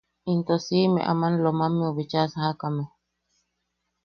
Into simme aman Lo- mammeu bicha sajakame.